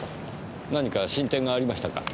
何か進展がありましたか？